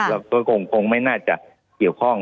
ตัวกลงไม่น่าจะเกี่ยวข้อง